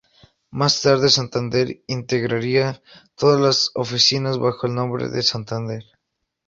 Más tarde, Santander integraría todas las oficinas bajo el nombre de Santander.